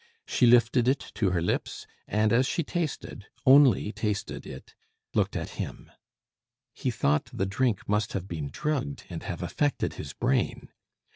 She lifted it to her lips, and as she tasted only tasted it looked at him. He thought the drink must have been drugged and have affected his brain.